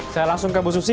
saya langsung ke bu susi